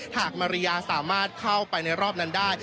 หากมาริยาสามารถเข้าไปในรอบนั้นได้